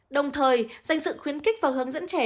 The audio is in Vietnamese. đồng thời dành sự khuyến khích và hướng dẫn trẻ